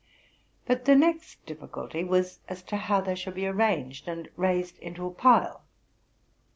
But the next difficulty was, as to how they should be arranged and raised into a pile.